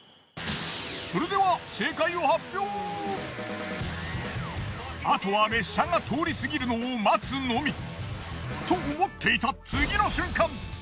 それではあとは列車が通り過ぎるのを待つのみ。と思っていた次の瞬間！